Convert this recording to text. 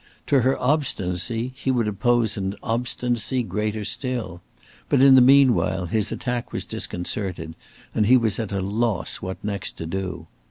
To her obstinacy he would oppose an obstinacy greater still; but in the meanwhile his attack was disconcerted, and he was at a loss what next to do.